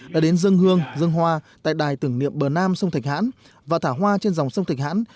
đã đến dân hương dân hoa tại đài tưởng niệm bờ nam sông thạch hãn và thả hoa trên dòng sông thạch hãn